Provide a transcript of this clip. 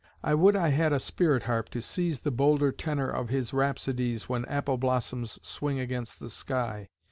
I would I had a spirit harp to seize The bolder tenor of his rhapsodies When apple blossoms swing against the sky.